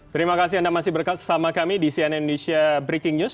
terima kasih anda masih bersama kami di cnn indonesia breaking news